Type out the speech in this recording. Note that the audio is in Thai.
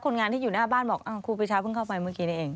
งานที่อยู่หน้าบ้านบอกครูปีชาเพิ่งเข้าไปเมื่อกี้นี่เอง